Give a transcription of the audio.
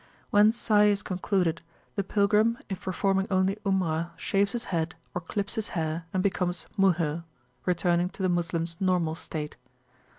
When Sai is concluded, the pilgrim, if performing only Umrah, shaves his head, or clips his hair, and becomes Muhill, returning to the Moslems normal state.